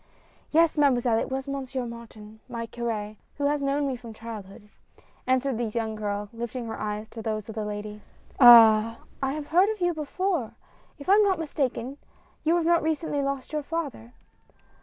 " Yes, Mademoiselle, it was Monsieur Martin, my cur^, who has known me from childhood," answered the young girl, lifting her eyes to those of the lady. "Ah! I have heard of you before. If I am not mistaken you have recently lost your father